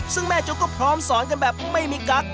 ซึ่งแม่จุ๊กก็พร้อมสอนกันแบบไม่มีกั๊ก